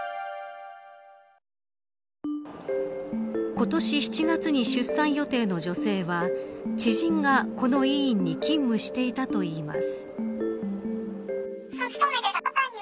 今年７月に出産予定の女性は知人がこの医院に勤務していたといいます。